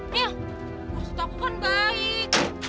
niel maksud aku kan baik